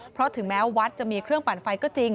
เพราะถึงแม้วัดจะมีเครื่องปั่นไฟก็จริง